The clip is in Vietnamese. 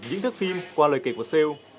những thức phim qua lời kể của sêu